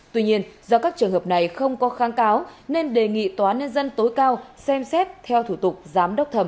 tuy nhiên do các trường hợp này không có kháng cáo nên đề nghị tòa nhân dân tối cao xem xét theo thủ tục giám đốc thẩm